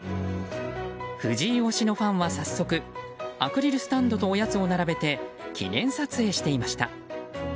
藤井推しのファンは早速アクリルスタンドとおやつを並べて記念撮影していました。